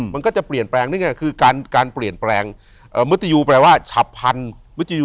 มันก็จะเปลี่ยนแปลงนี่ไงคือการเปลี่ยนแปลงมุติยูแปลว่าฉับพันธุ์มุตยู